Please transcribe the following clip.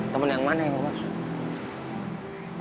temen yang mana yang lo maksud